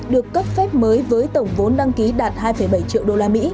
được cấp phép mới với tổng vốn đăng ký đạt hai bảy triệu usd